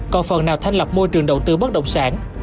còn phần nào thanh lập môi trường đầu tư bất động sản